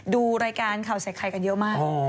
ดูรายการข่าวใส่ไข่กันเยอะมาก